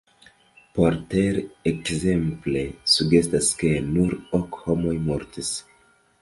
Porter ekzemple sugestas, ke nur ok homoj mortis.